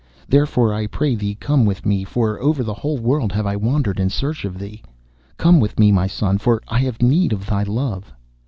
Therefore I pray thee come with me, for over the whole world have I wandered in search of thee. Come with me, my son, for I have need of thy love.